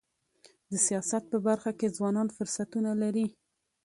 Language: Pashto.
د سیاست په برخه کي ځوانان فرصتونه لري.